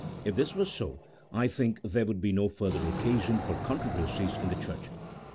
If this were so, I think there would be no further occasion for controversies in the Church.